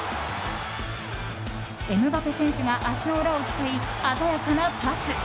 エムバペ選手が足の裏を使い鮮やかなパス。